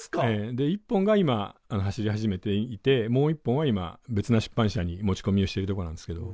で１本が今走り始めていてもう一本は今別な出版社に持ち込みをしているとこなんですけど。